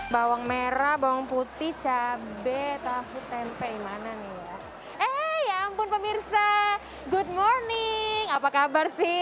bawang merah bawang putih cabai tahu tempe mana nih ya eh ya ampun pemirsa good morning apa kabar sih